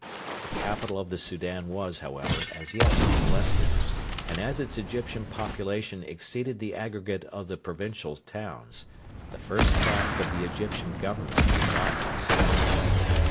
The capital of the Soudan was, however, as yet unmolested; and as its Egyptian population exceeded the aggregate of the provincial towns, the first task of the Egyptian Government was obvious.